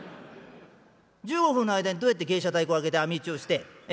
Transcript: １５分の間にどうやって芸者太鼓をあげて網打ちをしてえ？